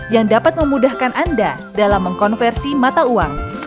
yang dapat memudahkan anda dalam mengkonversi mata uang